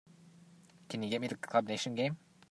Can you get me the Club Nation game?